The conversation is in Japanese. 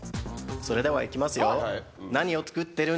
それではいきますよ。